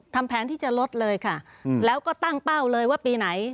แผนที่จะลดเลยค่ะแล้วก็ตั้งเป้าเลยว่าปีไหน